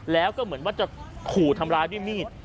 แล้วก็เหมือนว่าจะขู่ทำร้ายด้วยมีด